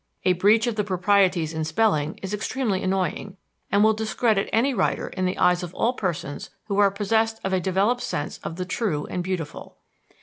A breach of the proprieties in spelling is extremely annoying and will discredit any writer in the eyes of all persons who are possessed of a developed sense of the true and beautiful.